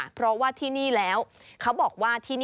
เพราะว่าที่นี่แล้ว